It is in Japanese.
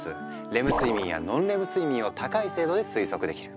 レム睡眠やノンレム睡眠を高い精度で推測できる。